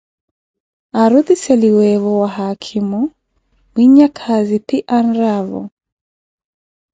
Arutiiseliweevo wa haakhimo, mwinyapwaani phi arnaavo